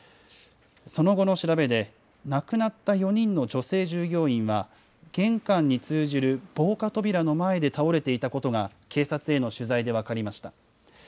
その後の調べで、亡くなった４人の女性従業員は、玄関に通じる防火扉の前で倒れていたことが警察への取材で分かりました。